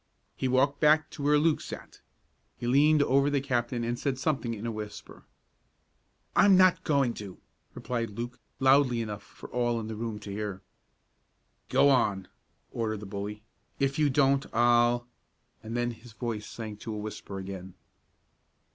He walked back to where Luke sat. He leaned over the captain and said something in a whisper. "I'm not going to," replied Luke, loudly enough for all in the room to hear. "Go on!" ordered the bully. "If you don't, I'll " and then his voice sank to a whisper again.